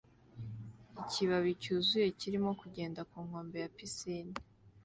Ikibabi cyuzuye kirimo kugenda ku nkombe ya pisine